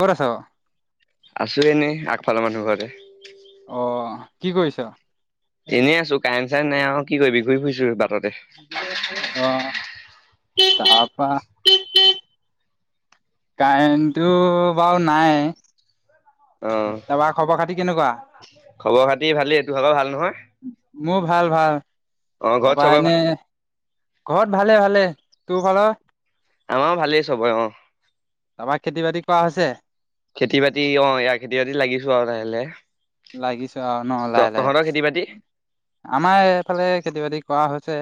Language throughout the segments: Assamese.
ক'ত আছ? আছো এনেই আগফালৰ মানুহ ঘৰতে। অ, কি কৰিছা? এনেই আছো, কাৰেণ্ট - চাৰেণ্ট নাই আৰু কি কৰিবি? ঘূৰি ফুৰিছো বাটতে। অহ, তাৰপা কাৰেণ্টো বাৰু নাই। অ, তাৰপা খবৰ খাতি কেনেকুৱা? খবৰ- খাতি ভালেই টোৰ ভাগৰ ভাল নহয়? মোৰ ভাল- ভাল। অ ঘৰত তাৰপা চবে এনে ভাল? ঘৰত ভালে- ভালে, তোৰ ঘৰৰ? আমাৰ ভালেই চবৰে অহ। খোৱা হৈছে? খেতি-বাতি, অ এয়া, খেতি-বাতিত লাগিছো আৰু লাহে-লাহে। লাগিছ আৰু ন লাহে লাহে? বাতি আমাৰ এইফালে খেতি-বাতি কৰা হৈছে,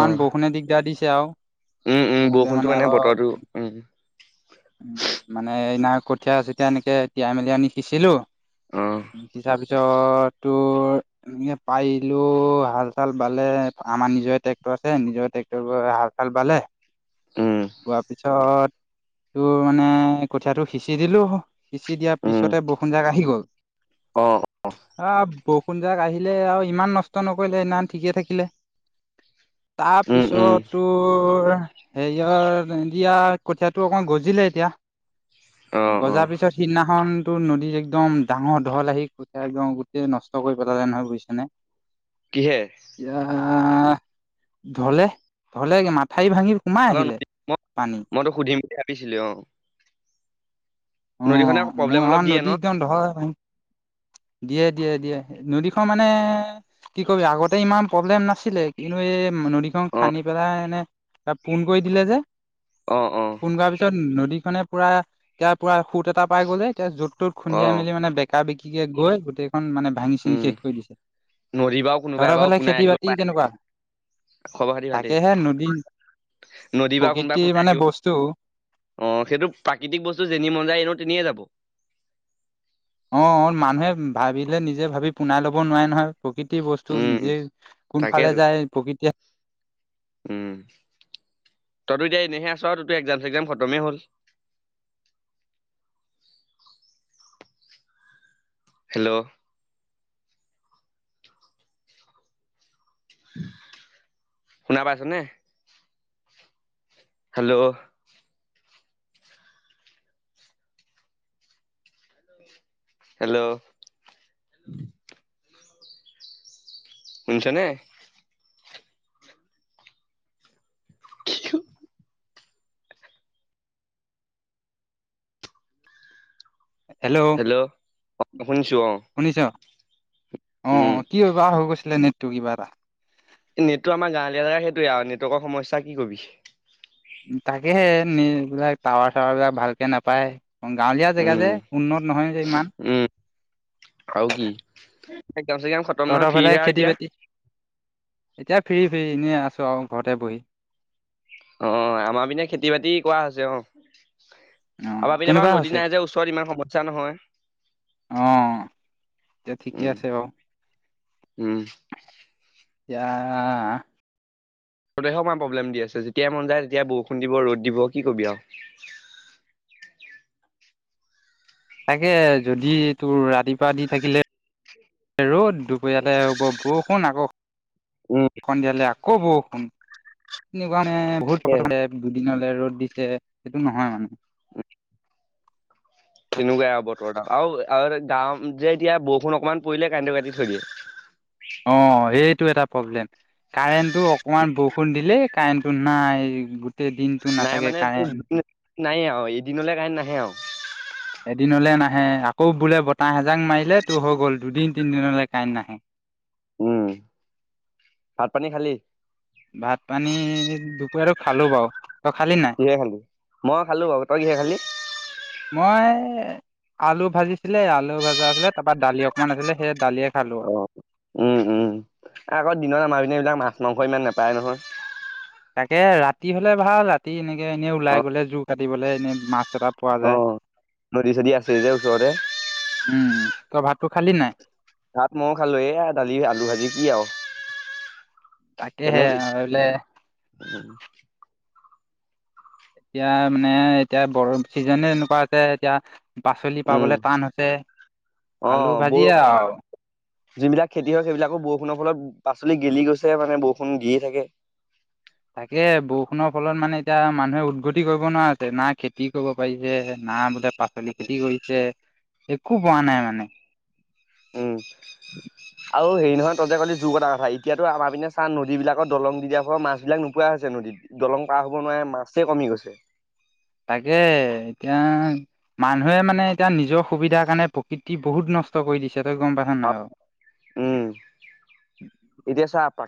অ বৰষুণে দিগদাৰ দিছে আৰু। উম, উম, বৰষুণতে বৰষুণটো মানে অলপ বতৰটো, উম। মানে এইদিনা কঠীয়া চঠীয়া এনেকে তিয়াই মেলি আনি সিচিলো অ তাৰ পিছত তোৰ এনেকে পাৰিলো হাল-চাল বালে, আমাৰ নিজৰে ট্ৰেক্টৰ আছে, নিজৰ ট্ৰেক্টৰ হাল-চাল ল বালে, উম বোৱাৰ পিছত তোৰ মানে, কঠিয়টো সিঁচি দিলো, সিঁচি দিয়াৰ উম পিছতে বৰষুণ জাক আহি গল। অ', অ'। আহ বৰষুণ যাক আহিলে আৰু ইমান নষ্ট নকৰিলে। সেইদিনাখন ঠিকেই থাকিলে। উম উম তাৰপিছত তোৰ, হেৰিয়ত দিয়া কঠিয়াত টো অকনমান গজিলে এতিয়া। অ। অ গজাৰ পিছত সিদিনাখনটো নদীত একদম ডাঙৰ ঢল আহি কঠিয়া একদম গোটেই নষ্ট কৰি পেলালে। নহয় বুজিছা নে? কিহে এতিয়া ধলে ধলে কি মাথা ঠাই ভাঙি সোমাই আহিলে পানী। হে ভাবিছিলো অ। অ নদীখনে প্ৰব্লেম মোৰ অলপ আমাৰ দিয়ে ন নদীগন দহয় ভাঙ, দিয়ে দিয়ে দিয়ে নদী মানে কি কবি আগতে ইমান প্ৰব্লেম নাছিলে। কিনো এ নদীখন অ খান্দি পেলাই এনে পোন কৰি দিলে যে অ অ ফোন কৰাৰ পিছত নদীখনে পুৰা, এতিয়া পুৰা সুত এটা পাই গ'লে, এতিয়া য'ত ত'ত অ খুন্দিয়াই মেলি মানে বেকা বেকিকে গৈ গোটেই খন মানে ভাঙি চিঙি উম শেষ কৰি দিছে। নদী বাৰু কোনোবাই তহঁতৰ বাৰু ঘৰলে পোনাই খেতি ৰাখিব বাতি পাৰে কেনেকুৱা? খবৰ খাতি ভালেই। তাকেহে নদী নদী বা কোনোবাই প্ৰকৃতিৰ পোন মানে বান্ধিব। বস্তু অ', সেইটো প্ৰাকৃতিক বস্তু। যেনিয়ে মন যায়, এনেও তেনিয়ে যাব। অ', অ' মানুহে ভাবিলে, নিজে ভাবি পোনাই ল'ব নোৱাৰে নহয়। প্ৰকৃতিৰ বস্তু। উম নিজে কোনফালে তাকেতো যায় প্ৰকৃতিয়ে উম, তইতো এতিয়া এনেইহে আছ চ তোৰটো একজাম চেকজাম খতমেই হ'ল? হেল্ল' শুনা পাইছ নে? হেল্ল' হেল্ল' শুনিছ নে? [unintelligible] হেল্ল'। অ', শুনিছোঁ অ'। শুনিছ অ', উম অ', কি হয় বা হৈ গৈছিলে নেটটো কিবা এটা। নেটটো আমাৰ গাঁৱলীয়া জেগা সেইটোয়ে আৰু। নেটৱৰ্কৰ সমস্যা কি কবি। নি এইবিলাক টাৱাৰ চাৱাৰ বিলাক ভালকে নাপায়। গাঁৱলীয়া জেগা উম যে, উন্নত নহয় যে ইমান। উম আৰু কি? এক্জাম চেগজাম খতম নহয় তহঁতৰ ফালে ফ্ৰীহে আৰু খেতি এতিয়া বাতি? এতিয়া ফিৰ ফিৰি, এনেই আছোঁ আৰু ঘৰতে বহি। অ', আমাৰ পিনে খেতি বাতি কৰা হৈছে অ,। অ', আমাৰ পিনে কেনেকুৱা বাৰু নদী হৈছে নাই যে, ওচৰত ইমান সমস্যা নহয়। অ', এই ঠিকে উম আছে বাৰু। উম। [unintelligible] প্ৰব্লেম দি আছে। যেতিয়াই মন যায় তেতিয়া বৰষুণ দিব, ৰ'দ দিব কি কৰিব আৰু। তাকে, যদি তোৰ ৰাতিপুৱা দি থাকিলে ৰ'দ, দুপৰীয়ালৈ হ'ব বৰষুণ। আকৌ উম, সন্ধিয়ালে আকৌ বৰষুণ। বহুত সেয়াই। [unintelligible] দুদিনৰ ৰ'দ দিছে। সেইটো নহয় মানে। তেনেকুৱাই আৰু। [unintelligible] আৰু, আৰু গাঁৱ যে, এতিয়া বৰষুণ অকমান পৰিলে কান্দে কাটি থয় দিয়ে। [inaudible] অ' সেইটো এটা প্ৰব্লেম। কাৰেণ্টটো অকমান বৰষুণ দিলে কাৰেণ্টটো নাই গোটেই দিনটো নাই নাথাকে মানে কাৰেণ্ট। নাই আৰু এদিনলৈ কাই নাহে আৰু এদিনলৈ নাহে আকৌ বোলে বতাহ এজাক মাৰিলে তো হৈ গ'ল দুদিন তিনিদিনলৈ কাঁইণ্ট নাহে উম ভাত পানী খালি ভাত পানী দুপৰীয়াটো খালো বাৰু তই খালি নাই? ঘহে খালি মই খালো বাৰু তই ঘহে খালি মই আলু ভাজিছিলে আলু ভাজা আছিলে তাৰপা দালি অকমান আছিলে সেই দালিয়ে খালোঁ আৰু আগৰ দিনৰ আমাৰ পনেবলাক মাছ মাংস ইমান নাপায় নহয় তাকে ৰাতি হলে ভাল ৰাতি এনেকে এনে অ ওলাই গলে জোৰ কাটিবলে এনে মাছ চটা পোৱা অ যায় নদী চদী আছে যে ওচৰতে উম তই ভাতটো খালি নাই ভাত ময় খালো এয়া দালি আলু ভাজি কি আৰু তাকেহে বলে হয় এতিয়া মানে এতিয়া বৰ চিজনে এনেকুৱা আছে এতিয়া পাচলি উম পাবলৈ টান হৈছে অ আলু বৰ ভাজি আৰু যিবিলাক খেতি হয় সেইবিলাকো বৰষুণৰ ফলত পাচলি গেলি গৈছে মানে বৰষুণ দিয়ে থাকে তাকে বৰষুণৰ ফলত মানে এতিয়া মানুহে উদভতি কৰিব নোৱাৰা আছে না খেতি কৰিব পাৰিছে না বোলে পাচলি খেতি কৰিছে একো পোৱা নাই মানে উম আৰু হেই নহয় ততে কলে যগ এটা কথা এতিয়াতো আমাৰ পিনে চান নদীবাকত দলং দি দিয়া হোৱা মাছ বিাক নোপোৱা হৈছে নদীত দলং হ'ব নোৱাৰে মাছে কমি গৈছে তাকে এতিয়া মানুহে মানে এতিয়া নিজৰ সুবিধাৰ কাৰণে প্ৰকৃতি বহুত নষ্ট কৰি দিছে গম পছা নাই অ উম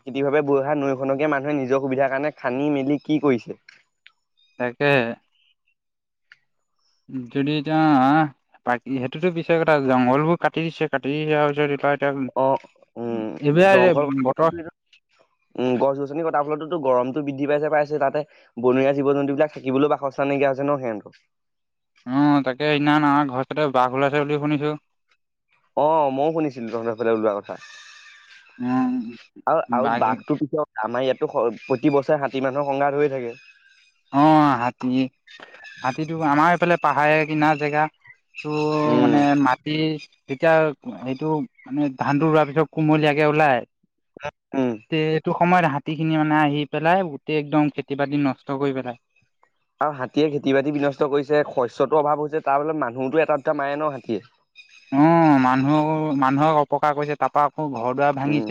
খেতি ভাৱে বৈহা নৈখনকীয়া মানুহে নিজৰ সুবিধাৰ কাৰণে খান্দি মেলি কি কৰিছে তাকে যদি এতি বাক সেইটোতো বিচাৰ কথা জংঘল বোৰ কাটি দিছে কাটি দিয়াৰ পিছত এই অ উম জংঘল কথা বতৰ উম গছ গছনি কথা ফলতো গমটো বৃদ্ধি পাইছে পাইছে তাতে বনৰীয়া জীৱ জন্তু বিলাক থাকিবলৈও বাসস্থান নাইকিয়া হৈছে ন সিহতো অ তাকে সদিনা আমাৰ ঘৰচতে বাঘ ওলাইছে বুলি শুনিছো অ ময়ো শুনিছিলো তহঁৰ ফালে ওলোৱা কথা উম আৰু আৰু বাঘে বাঘটো কেতিয়া আমাৰ ইয়াতো প্ৰতি বছৰে হষাতী মানুহৰ সংঘাত হৈ থাকে আহ হাতী হাতীটো আমাৰ এইফালে পাহাৰ কিনা জেগা টো মানে উম মাটি তেতিয়া সেইটো মানে ধানটো ৰোৱাৰ পিছত কুমলীয়াকে ওলাই উম তে এইটো সময়ত হাতী খিনি মানে আহি পেলাই গোটেই একদম খেতি বাতি নষ্ট ত গৈ পেলাই আৰু হাতীয়ে খেতি বাতি বিনষ্ট কৰিছে শস্যতো অভাৱ হৈছে তাৰ বত মানুহতো এটা উ মাৰে ন হাতীয়ে অ' মানুহ মানুহক অপকাৰ কৰিছে তাৰপৰা উম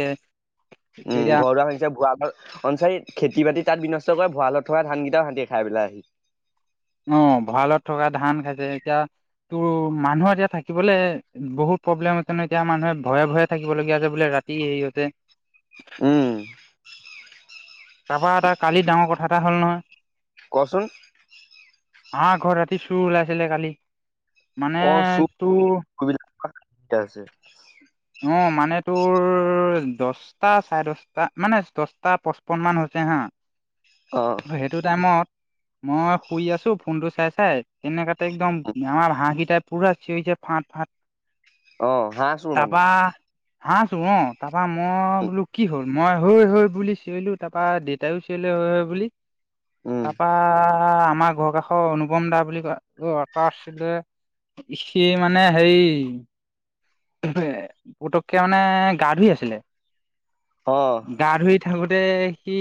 উম তেতিয়া ঘৰুৱা হৈছে ভুৱা অঞ্চাৰিত খেতি বাতি তাত বিনষ্ট কৰা ভঁৰালত থকা ধানকেইটাও হাতিয়ে খাই পেলাই আহি অ ভঁৰালত থকা ধান খাইছে এতিয়া ত মানুহৰ এতিয়া থাকিবলৈ বহুত প্ৰব্লেম ন এতিয়া মানুহে ভয়ে ভয়ে থাকিবলগীয়া যে বোলে ৰা সেহঁতে উম তাৰাপা এটা কালি ডাঙৰ কথা এটা হ'ল নহয় কোৱাচোন আমাৰ ঘৰ ৰাতি চুৰ ওলাইছিলে কালি মানে অ চোৰ তোৰ আছে অ মানে তোৰ দছটা চাৰে দশটা মানে দচটা পঁচপন্ন মান হৈছে হা অ সেইটো টাইমত মই শুই আছো ফোনটো চাই চাই তেনেকাতে একদম আমাৰ হাঁহকিটাই পুৰা চিঞৰিছে ফাঁত ফাত অ হাঁহ চোৰ মানে হাঁহ চোৰ অ তাৰাপা মই বোলো কি হ'ল মই হ হৈ বুলি চিঞইলো তাৰাপা দেউতাইো চিঞইল বুলি উম তাৰপা আমাৰ ঘৰ কাষৰ অনুপম দা বুলি কয় আছিলে সি মানে হেৰি পুতককে মানে গা ধুই আছিলে অ গা ধুই থাকোতে সি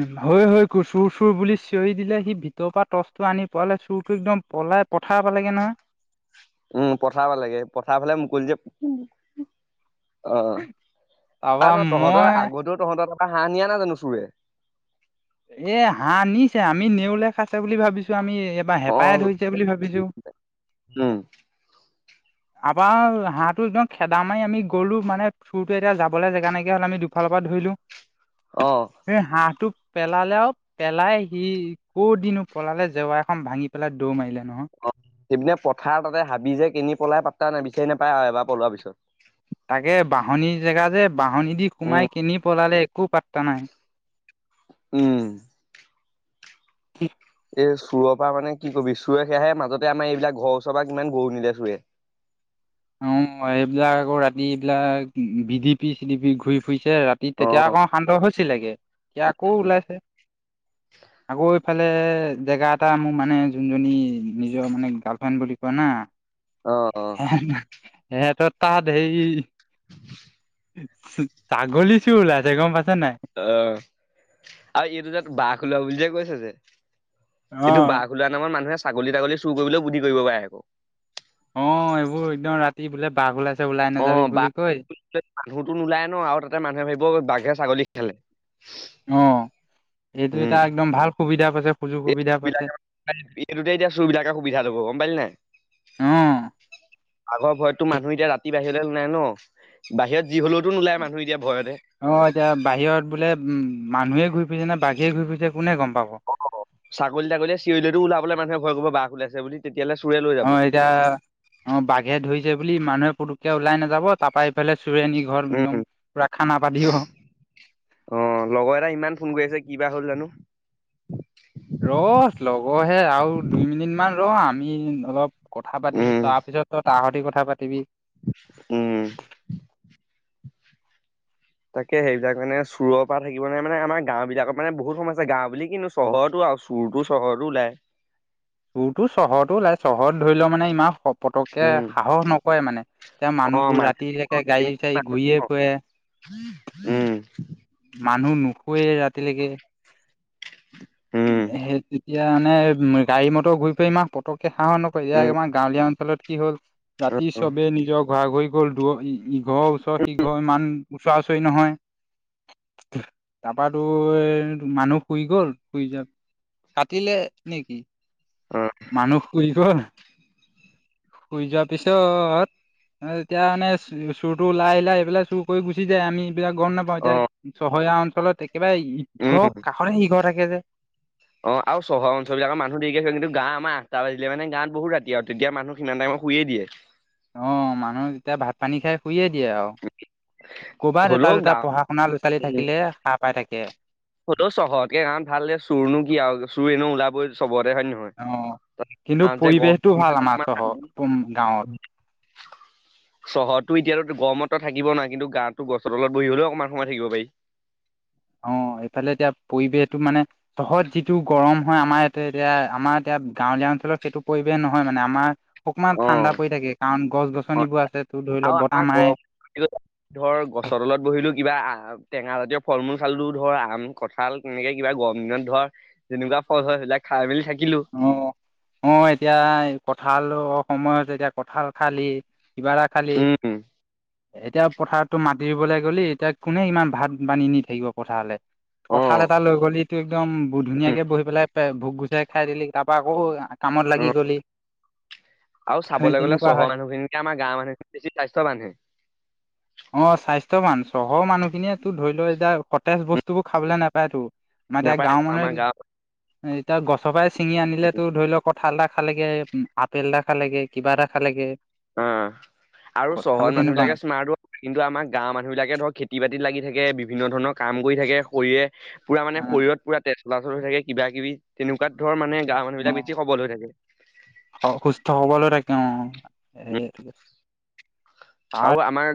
উ হয় হয় চুৰ চুৰ বুলি চিঞৰি দিলে সি ভিতৰৰ পৰা টৰ্চটো আনি পোৱালে চুৰটো একদম পলাই পথাৰ প লাগে নহয় উম পঠাৰাব লাগে পঠাৰ ফালে মুকলি যে অ' অ' তাৰপা আৰু নহ তহঁতৰ মই আগতেও তহঁতৰ টাপা হাঁহ নিয়া নাই জানো চোৰে। এ হাঁহ নিছে আমি নেওলে খাছে বুলি ভাবিছো আমি। এবাৰ অ হেঁপাহে ধৰিছে বুলি ভাবিছো। উম [inaudible] আপাৰ হাঁহটো একদম খেদা মাৰি আমি গ'লো মানে চুৰটোৱে এতিয়া যাবলে জেগা নাইকিয়া হ'ল আমি দুফালৰ পা ধই অ সেই হাঁহটো পেলালে আৰু পেলাই সি কৌ দিনো পলালে জেওৱৰা এখন ভাঙি পেলাই দৌ মাৰিলে নহয় অ সেইপিনে পথাৰ তাতে হাবি যে কিনি পলাই পাতা নাই বিচাৰি নোপায় আৰু এবাৰ পলোৱাৰ পিছত তাকে বাহনী জেগা যে বাহনিদি সোমাই উম কিনি পেলালে একো পাত্তা নাই উম কি এ চোৰৰ পা মানে কি কৰিবি চোৰৰে সেয়াহে মাজতে আমাৰ এইবিলাক ঘৰ ওচৰ পা কিমান গৰু নিলে চোৰে। [inaudible] ওম মই এইবিলাক আকৌ ৰাতিবিলাক বিডি পি চিডি পি ঘূৰি ঘুইছে ৰাতি অ তেতিয়া আকৌ শান্ত হৈছিলেগে এতিয়া আকৌ ওলাইছে। [inaudible] আকৌ এইফালে জেগা এটা মো মানে যোনজনী নিজৰ মানে গাৰ্লফ্ৰেণ্ড বুলি কয় না অ অ। সে ত ধেই ছাগলী চো ওলাইছে গম পাই অ আৰু এইটো তোতে বাঘ ওলাব বুলি যে কৈছে যে অ এইটো বাঘ ওলোৱা নামত মানুহে ছাগলী তাগলী চুৰ কৰিবলৈও বুদ্ধি কৰিব পাৰে ক। অ এইবোৰ একদম ৰাতি বোলে বাঘ ওলাই অ নাযাবি বুলি বাঘ কৈ [unintelligible] মানুহতো নোলাই ন আৰু তাতে মানুহে ভাবিব বাঘে ছাগলী খালে। অ এইটো উম এটা একদম ভাল সুবিধা পাইছে সুযোগ সুবিধা পাইছে [unintelligible] এইটোতে এতিয়া চুৰ বিলাকে সুবিধা ল'ব গম পালি নাই। অ [inaudible] বাঘৰ ভয়তো মানুহ এতিয়া ৰাতি বাহিৰলে নোলাই ন বাহিৰত যি হ'লেওতো নোলায় মানুহ এতিয়া ভয়ত। অ এতিয়া বাহিৰত বোলে উ মানুহে ঘূৰি ফুৰিছে নে বাঘেৰে ঘূৰি ফুৰিছে। কোনে গম পাব অ ছাগলী তাগলী চিয়ৰিলীলেটো ওলাবলে মানুহে ভয় কৰিব বাঘ ওলাইছে বুলি তেত অ এতিয়া অ বাঘে ধৰিছে বুলি মানুহে পুটুককে ওলাই নাযাব তাৰপা এইফালে চুৰে নি ঘৰত একদম পুৰা খানা পাতি অ অঁ লগৰ এটাই ইমান ফোন কৰি আছে কিবা হ'ল জানো? ৰ লগৰহে আৰু দুই মিনিট মান ৰ আ আমি অলপ কথা পাতিছো, উম, তাৰপিছত ত তাহতি কথা পাতিবি উম। তাকে সেইবিলাক মানে চোৰৰ পৰা থাকিব নোৱাই মানে আমাৰ গাঁও বিলাকৰ মানে বহুত সমস্যা গাওঁ বুলি কিনো চহৰতো আও অ চুৰতো চহৰতো ওলাই চোৰতো চহৰতো ওলাই চহৰত ধৰি লও' মানে ইমান পতকে উম, সাহস নকৰে মানে। এতিয়া অ' মানুহবোৰ মানুহ ৰাতিলৈকে গাড়ী চাড়ী ঘূৰিয়ে ফুৰে উম। মানুহ নুশুৱেই ৰাতিলেকে উম, সে তেতিয়া মানে, গাড়ী মটৰ ঘূৰি ফুৰা ইমান পতক সাহস নকৰে ইতিয়া উম, আমাৰ গাঁৱলীয়া অঞ্চলত কি হ'ল অ', জাতি চবে নিজৰ ঘৰা ঘৰি গ'ল দূৰ ইঘৰ ওচৰ সিঘৰ ইমান ওচৰা ওচৰি নহয়। তাৰপ তুই‌ মানুহ শুই গ'ল শুই যাত কাটিলে নেকি? অ', মানুহ শুই গ'ল। শুই যোৱা পিছত এ এতিয়া মানে চ চুৰ ওলাই আহিলে, আহিবেলাই চুৰ কৰি গুচি যায় আমি বিলাক গম নাপাওঁ এতিয়া অ'। চহৰীয়া অঞ্চলত একেবাৰে উম অ ইঘৰ আৰু কাষতে সিঘৰ থাকে যে চহৰ অঞ্চল বিলাকৰ মানুহ দেিকে কিন্তু গা আমাৰ তাৰ পাছে মানে গাত বহুত ৰাতি আৰু তেতিয়া মানুহ সিমান টম শুই দিয়ে অ মানুহ এতিয়া ভাত পানী খাই শুইয়ে দিয়ে আৰু কৰবাত এটা হ'লেও দুটা গাঁও পঢ়া শুনা ল'ৰা ছোৱালী থাকিলে স পাই থাকে সেটো চহৰকে গান ভাল দে চুৰনো কি আৰু চুৰ এনেো ওলাবই চবত দে হয় নে নহয়? অ কিন্তু তাৰ যে গৰম পৰিৱেশটো ভাল [unintelligible] আমাৰ অকমান চহৰ উম গাঁৱত [unintelligible] [inaudible] চহৰততো এতিয়াতো গৰমত থাকিব নোৱাই কিন্তু গাৱততো গছৰ তলত বহি হ'লেও অকণমান সময় থাকিব পাৰি। [inaudible] অঁ এইফালে এতিয়া পৰিৱেশটো মানে চহতৰ যিটো গৰম হয় আমাৰ ইয়াতে এতিয়া আমাৰ এতিয়া গাঁৱলীয়া অঞ্চলত সেইটো পৰিৱেশ নহয় মানে আমাৰ অকমান অ', ঠাণ্ডা পৰি থাকে কাৰণ গছ গছনিবোৰ আছে তো ধৰি লওক বতাহ মাৰে কিন্তু ধৰ গছৰ তলত বহিলো কিবা টেঙা জাতীয় ফল মূল চালো ধৰ আম কঁঠাল তেনেকে কিবা গৰম দিনত ধৰ যেনেকুৱা ফল হয় সিবিলাক খাই মেলি থাকে অ অ এতিয়া কঠাঁল সময় হৈছে এতিয়া কঠাল খালি কিবা এটা খালি উম, এতিয়া পথাৰতো মাতি দবলৈ গ'লি এতিয়া কোনে ইমান ভাত বানী নি থাকিব পথাৰলে কঁঠাল অ', এটা লৈ গ'লি তটো একদম উম, ধুনীয়াকে বহি পেলাই ভোক গুচাই খাই দিলি তাৰাপা আকৌ কামত লাগি অ'। গলি আৰু সেই চাবলৈ গ'লে তেনেকুৱা হয়। চহৰ মানুহখিনিকে আমাৰ গাঁৱৰ মানুহখিনি বেছি স্বাস্থ্যৱানহে অ স্বাস্থ্য চহৰৰ মানুহখিনিয়ে তো ধৰি লোৱা এতিয়া সতেজ উম, বস্তু বোৰ খাবলৈ নাপায় তো আমাৰ এতিয়া নাপায় গাঁৱৰ আমাৰ গাঁৱত মানুহে এতিয়া গছৰ পৰাই ছিঙি আনিলে তো ধৰি লওক কঁঠালটা খাল লাগে উ আপেল এটা খাল লাগে কিবা এটা খাল লাগে অ আৰু চহৰ তেনেকুৱা মানুহিলাকে মানে। স্মাৰ্ হ কিু আমাৰ গাঁৱ মানুহ বিলাকে ধৰ খেতি বাতিত লাগি থাকে বিভিন্ন ধৰণৰ কাম কৰি থাকে শৰৰে পুৰা মানে শৰীৰত পুৰা তে চলাচল হৈ থাকে কিবা কিবি তেনেকুৱ ধৰ মানে গাঁৱ মানুহবিলাক বেছি সব হৈ থাকে সুস্থ হবলৈ থাকে অ উম, স কাৰ আৰু আমাৰ